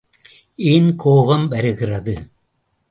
ஏன் கோபம் வருகிறது?